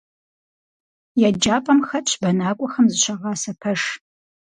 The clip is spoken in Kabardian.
ЕджапӀэм хэтщ бэнакӀуэхэм зыщагъасэ пэш.